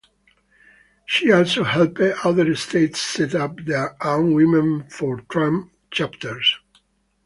She also helped other states set up their own Women for Trump chapters.